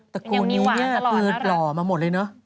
แต่คุณนี้นี่คือหล่อมาหมดเลยเนอะ